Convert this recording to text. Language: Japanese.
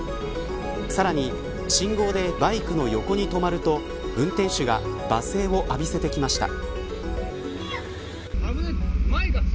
さらに信号でバイクの横に止まると運転手が罵声を浴びせてきました。